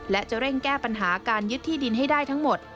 และจะเร่งแก้ปัญหาการยึดที่ดินให้ได้ทั้งหมด